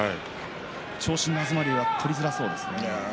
長身な東龍は取りづらそうですね。